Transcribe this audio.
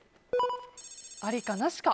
ありかなしか。